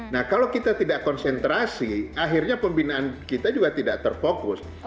nah kalau kita tidak konsentrasi akhirnya pembinaan kita juga tidak terfokus